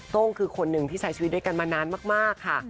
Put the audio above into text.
้งคือคนหนึ่งที่ใช้ชีวิตด้วยกันมานานมากค่ะ